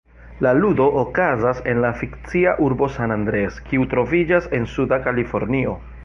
La ludo okazas en la fikcia urbo San Andreas, kiu troviĝas en Suda Kalifornio.